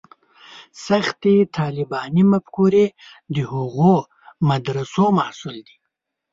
سختې طالباني مفکورې د هغو مدرسو محصول دي.